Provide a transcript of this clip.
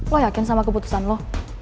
lo yakin sama keputusan lo